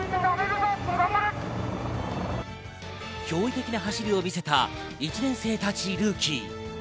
驚異的な走りを見せた１年生ルーキー。